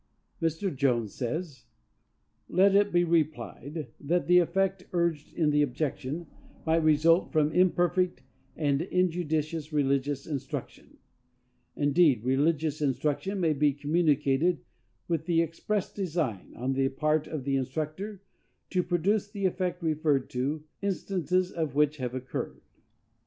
Mr. Jones says: Let it be replied, that the effect urged in the objection might result from imperfect and injudicious religious instruction; indeed, religious instruction may be communicated with the express design, on the part of the instructor, to produce the effect referred to, instances of which have occurred.